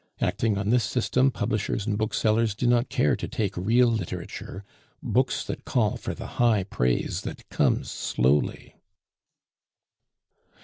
Acting on this system, publishers and booksellers do not care to take real literature, books that call for the high praise that comes slowly."